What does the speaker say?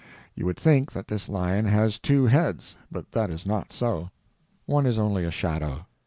You would think that this lion has two heads, but that is not so; one is only a shadow.